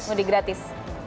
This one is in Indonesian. sudah di gratis